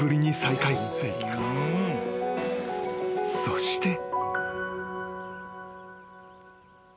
［そして］